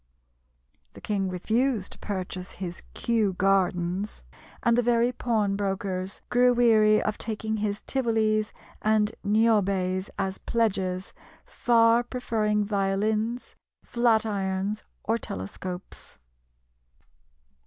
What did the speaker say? The king refused to purchase his "Kew Gardens," and the very pawnbrokers grew weary of taking his Tivolis and Niobes as pledges, far preferring violins, flat irons, or telescopes.